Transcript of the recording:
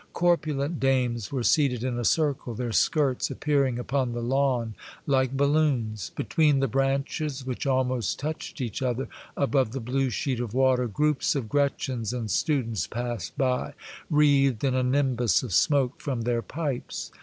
Corpulent dames were seated In a circle, their skirts appearing upon the lawn like balloons. Between the branches, which almost touched each other above the blue sheet of water, groups of Gretchens and students passed by, wreathed In a nimbus of smoke from their pipes.